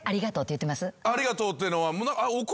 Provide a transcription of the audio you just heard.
ありがとうっていうのは。